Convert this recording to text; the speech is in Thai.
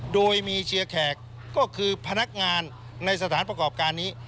โดยมีเชียร์แขกก็คือพนักงานในสถานประกอบการนี้